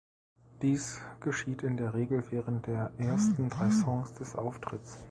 Dies geschieht in der Regel während der ersten drei Songs des Auftritts.